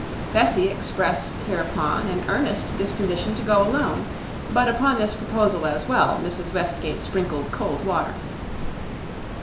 Bessie expressed hereupon an earnest disposition to go alone; but upon this proposal as well Mrs. Westgate sprinkled cold water.